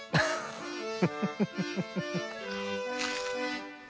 フッフフフ。